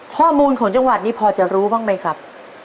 ข้อมูลของจังหวัดนี้พอจะรู้บ้างไหมครับ